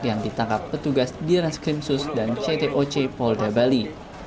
yang ditangkap petugas dianas krimsus dan ctoc polda bali